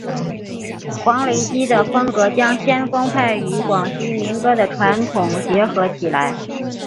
黄雷基的风格将先锋派与广西民歌的传统结合起来。